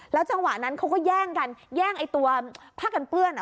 จังหวะนั้นเขาก็แย่งกันแย่งไอ้ตัวผ้ากันเปื้อน